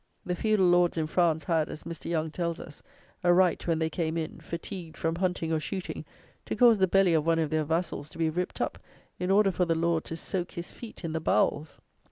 The feudal lords in France had, as Mr. Young tells us, a right, when they came in, fatigued, from hunting or shooting, to cause the belly of one of their vassals to be ripped up, in order for the lord to soak his feet in the bowels!